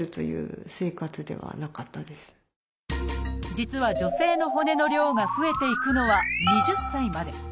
実は女性の骨の量が増えていくのは２０歳まで。